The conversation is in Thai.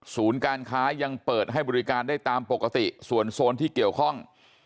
การค้ายังเปิดให้บริการได้ตามปกติส่วนโซนที่เกี่ยวข้อง